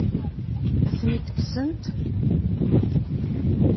Ad ten-id-kksent?